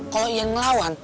kalau ian ngelawan